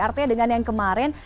artinya dengan yang kemarin